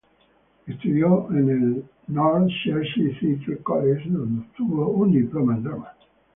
Estudió en el North Cheshire Theatre College donde obtuvo un diploma en drama.